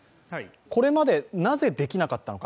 これまでなぜできなかったのか。